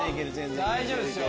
大丈夫ですよ。